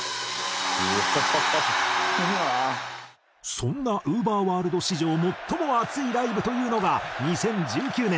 そんなＵＶＥＲｗｏｒｌｄ史上最もアツいライブというのが２０１９年